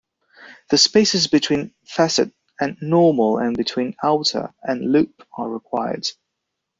The spaces between "facet" and "normal" and between "outer" and "loop" are required.